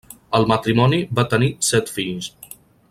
El matrimoni va tenir set fills.